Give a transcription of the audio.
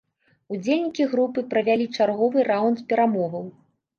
Удзельнікі групы правялі чарговы раўнд перамоваў.